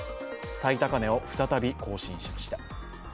最高値を再び更新しました。